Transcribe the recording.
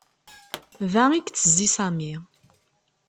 Da i yettezzi Sami.